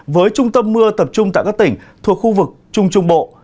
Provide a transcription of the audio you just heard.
với trung tâm mưa tập trung tại các tỉnh thuộc khu vực trung trung bộ